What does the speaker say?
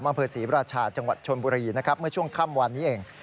อำเภอศรีราชาจังหวัดชนบุรีนะครับเมื่อช่วงค่ำวันนี้เอง